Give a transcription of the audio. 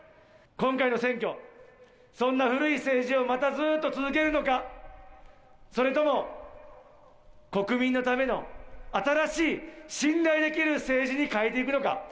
今回の選挙、そんな古い政治をまたずっと続けるのか、それとも、国民のための新しい信頼できる政治に変えていくのか。